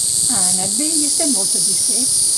Ha anat bé i estem molt satisfets.